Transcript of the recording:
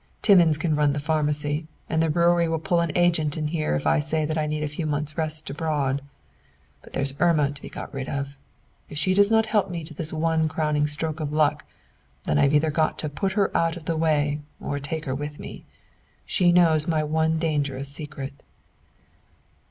Timmins can run the pharmacy, and the brewery will put an agent in here if I say that I need a few months' rest abroad." "But there's Irma to be got rid of! If she does not help me to this one crowning stroke of luck, then I've either got to put her out of the way or take her with me. She knows my one dangerous secret."